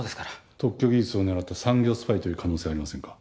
特許技術を狙った産業スパイという可能性はありませんか？